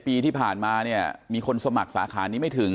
ปีที่ผ่านมาเนี่ยมีคนสมัครสาขานี้ไม่ถึง